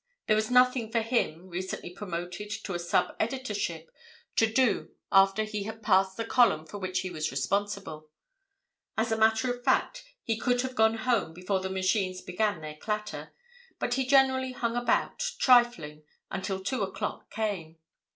There was nothing for him, recently promoted to a sub editorship, to do after he had passed the column for which he was responsible; as a matter of fact he could have gone home before the machines began their clatter. But he generally hung about, trifling, until two o'clock came.